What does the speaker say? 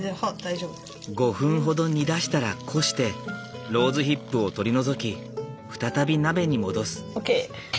５分ほど煮出したらこしてローズヒップを取り除き再び鍋に戻す。ＯＫ！